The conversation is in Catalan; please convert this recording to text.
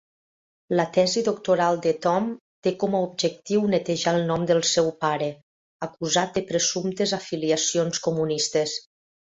La tesi doctoral de Tom té com a objectiu netejar el nom del seu pare, acusat de presumptes afiliacions comunistes.